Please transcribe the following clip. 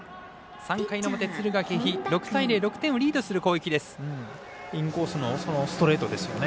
３回の表、敦賀気比６対０で６点をリードする攻撃。